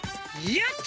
やった！